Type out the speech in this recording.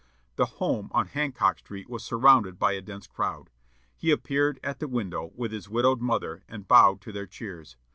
The home on Hancock Street was surrounded by a dense crowd. He appeared at the window with his widowed mother, and bowed to their cheers.